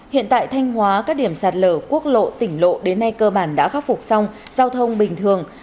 hiện tại thanh hóa các điểm sạt lở quốc lộ tỉnh lộ đến nay cơ bản đã khắc phục xong giao thông bình thường